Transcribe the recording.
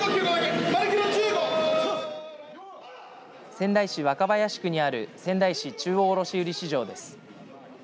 仙台市若林区にある仙台市中央卸売市場です。